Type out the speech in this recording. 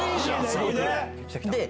すごく。